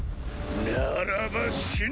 ならば死ね！